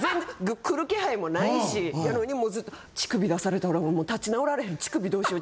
来る気配もないしやのにもうずっと「乳首出されたら立ち直られへん乳首どうしよう」。